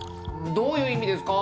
どういう意味ですか？